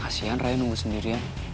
kasian rayang nunggu sendirian